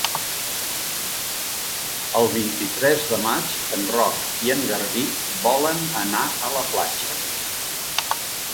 El vint-i-tres de maig en Roc i en Garbí volen anar a la platja.